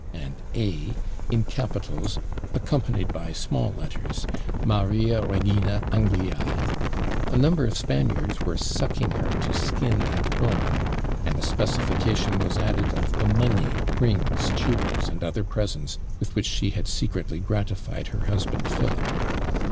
and A. in capitals, accompanied by small letters; Maria Regina Angliæ! a number of Spaniards were sucking her to skin and bone, and a specification was added of the money, rings, jewels, and other presents with which she had secretly gratified her husband Philip."